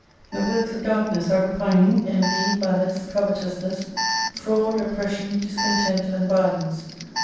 The works of darkness are Repining, Envy, Malice, Covetousness, Fraud, Oppression, Discontent and Violence.